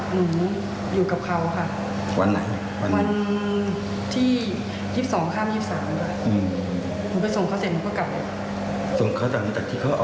หน้ามาพัดซึงกดเงินค่ะ